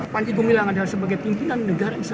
panji gumilang adalah sebagai pimpinan negara indonesia